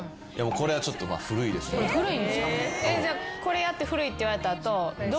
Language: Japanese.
これやって古いって言われた後。